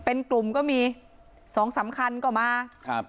เป็นกลุ่มก็มีสองสำคัญก็มาครับ